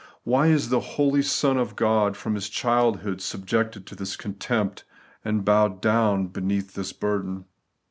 Why is the holy Son of God, from His childhood, subjected to this contempt, and bowed down beneath this burden?